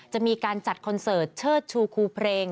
จะมีการจัดคอนเสิร์ตเชิดชูครูเพลง